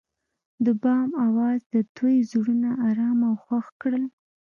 د بام اواز د دوی زړونه ارامه او خوښ کړل.